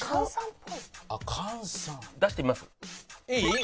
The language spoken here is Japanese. いい？